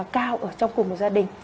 cao ở trong cùng gia đình